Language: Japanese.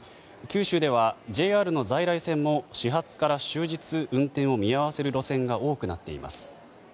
九州ではＪＲの在来線も始発から終日運転を見合わせる路線が多くなっています。